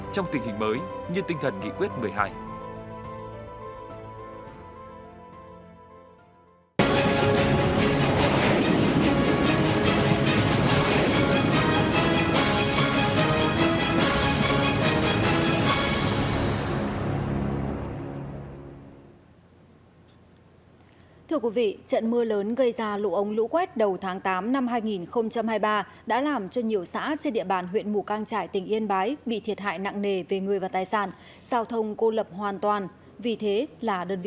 trong tình hình mới như tinh thần nghị quyết một mươi hai